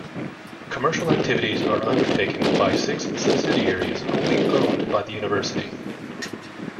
Commercial activities are undertaken by six subsidiaries wholly owned by the university.